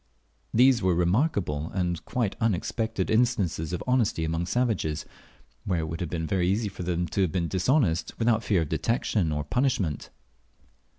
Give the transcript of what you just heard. These were remarkable and quite unexpected instances of honesty among savages, where it would have been very easy for them to have been dishonest without fear of detection or punishment.